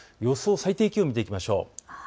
最低気温を見ていきましょう。